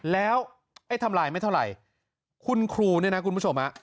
แล้วไอ้ทำลายไม่เท่าไหร่คุณครูเนี่ยนะคุณผู้ชมฮะ